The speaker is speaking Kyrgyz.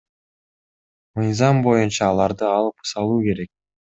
Мыйзам боюнча аларды алып салуу керек.